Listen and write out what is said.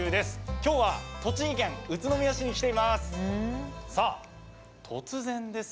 今日は栃木県宇都宮市に来ています。